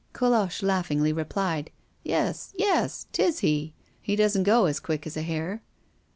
Colosse laughingly replied: "Yes, yes. 'Tis he he doesn't go as quick as a hare."